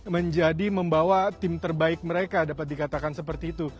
menjadi membawa tim terbaik mereka dapat dikatakan seperti itu